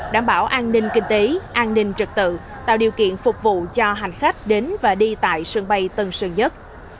đảm bảo an ninh kinh tế an ninh trật tự tạo điều kiện phục vụ cho hành khách đến và đi tại sân bay tân sơn nhất